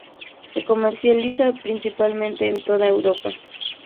Se comercializa principalmente en toda Europa.